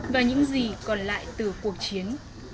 và những gì còn lại từ cuộc chiến